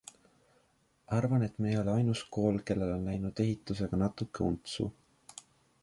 Arvan, et me ei ole ainus kool, kellel on läinud ehitusega natuke untsu.